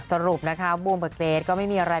สรุปนะคะบุ้มเกศก็ไม่มีอะไร